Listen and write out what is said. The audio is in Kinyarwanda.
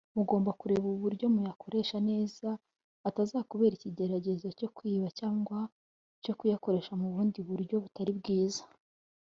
Mugomba kureba uburyo (amafaranga) muyakoresha neza atazakubera icyigeregezo cyo kwiba cyangwa cyo kuyakoresha mu bundi buryo butari bwiza